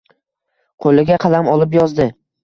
Qo’liga qalam olib yozdi.